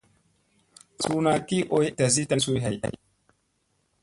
Suuna ki ooy ek tasi tan suy hay.